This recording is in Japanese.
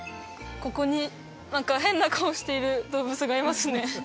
ここに何か変な顔している動物がいますね